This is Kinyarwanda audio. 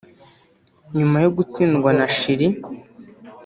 nyuma yo gutsindwa na Chili